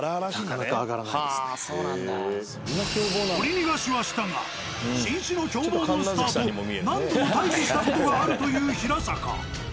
逃がしはしたが新種の凶暴モンスターと何度も対峙した事があるという平坂。